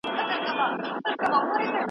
موږ د شفتالو په خوړلو اخته یو.